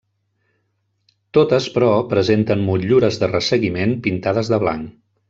Totes però, presenten motllures de resseguiment pintades de blanc.